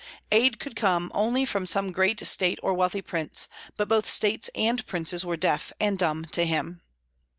Aid could come only from some great state or wealthy prince; but both states and princes were deaf and dumb to him.